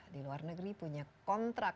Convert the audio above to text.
di luar negeri punya kontrak